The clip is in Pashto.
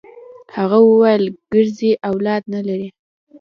هغه وويل کرزى اولاد نه لري.